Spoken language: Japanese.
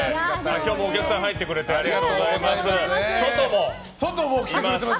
今日もお客さん入ってくれてありがとうございます。